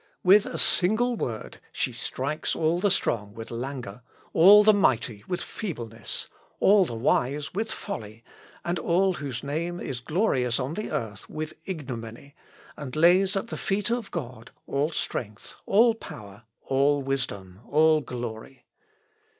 With a single word she strikes all the strong with languor, all the mighty with feebleness, all the wise with folly, and all those whose name is glorious on the earth with ignominy, and lays at the feet of God all strength, all power, all wisdom, all glory.